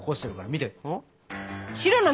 見て！